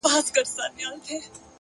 اراده د وېرې غږ کمزوری کوي،